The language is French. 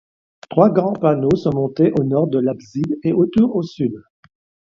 Trois grands panneaux sont montés au nord de l'abside, et autant au sud.